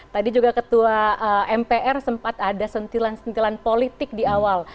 tadi juga ketua mpr sempat ada sentilan sentilan politik di awal